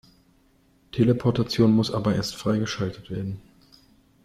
Teleportation muss aber erst freigeschaltet werden.